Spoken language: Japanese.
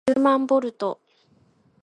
ピカチュウじゅうまんボルト